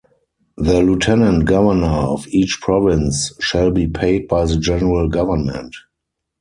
The Lieutenant Governor of each Province shall be paid by the General Government.